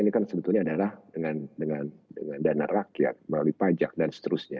ini kan sebetulnya adalah dengan dana rakyat melalui pajak dan seterusnya